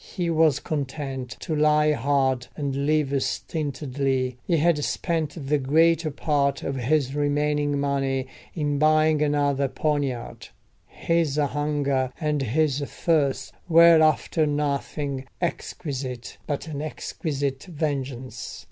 He was content to lie hard, and live stintedly—he had spent the greater part of his remaining money in buying another poniard: his hunger and his thirst were after nothing exquisite but an exquisite vengeance.